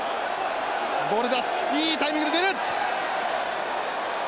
ボール出すいいタイミングで出る！